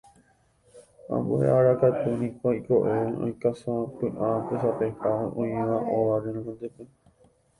Ambue ára katu niko iko'ẽ okáisapy'a tesapeha oĩva óga renondetépe.